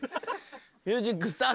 ミュージックスタート！